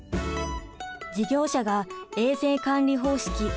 事業者が衛生管理方式